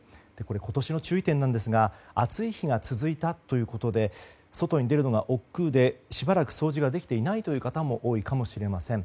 今年の注意点なんですが暑い日が続いたということで外に出るのがおっくうでしばらく掃除ができていないという方も多いかもしれません。